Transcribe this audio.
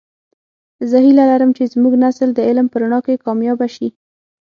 زه هیله لرم چې زمونږنسل د علم په رڼا کې کامیابه شي